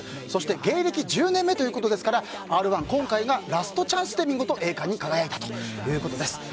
そして芸歴１０年目ということですから「Ｒ‐１」は今回がラストチャンスで見事栄冠に輝いたということです。